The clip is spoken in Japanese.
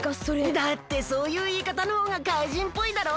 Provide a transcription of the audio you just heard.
だってそういういいかたのほうがかいじんっぽいだろ？